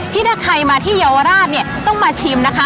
ที่ถ้าใครมาที่เยาวราชเนี่ยต้องมาชิมนะคะ